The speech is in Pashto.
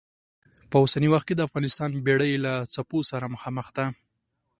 په اوسني وخت کې د افغانستان بېړۍ له څپو سره مخامخ ده.